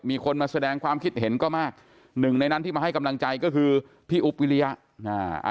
มีคนมาแสดงความคิดเห็นก็มากหนึ่งในนั้นที่มาให้กำลังใจก็คือพี่อุ๊บวิริยะอ่า